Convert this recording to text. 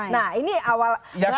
nah ini awal baru dilantik